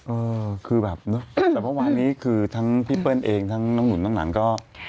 เออคือแบบเนอะแต่เมื่อวานนี้คือทั้งพี่เปิ้ลเองทั้งน้องหนุนน้องหนังก็